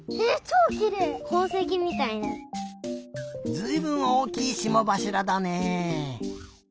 ずいぶんおおきいしもばしらだね。